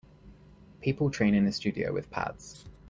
People train in a studio with pads.